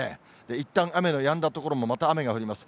いったん、雨のやんだ所もまた雨が降ります。